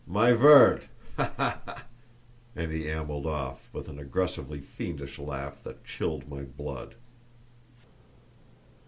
my vord, ha, ha, ha!" And he ambled off, with an aggressively fiendish laugh that chilled my blood.